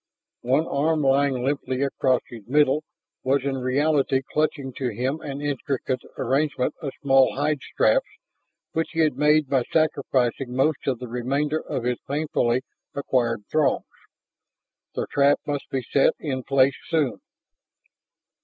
One arm lying limply across his middle was in reality clutching to him an intricate arrangement of small hide straps which he had made by sacrificing most of the remainder of his painfully acquired thongs. The trap must be set in place soon!